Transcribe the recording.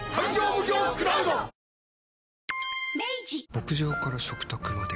牧場から食卓まで。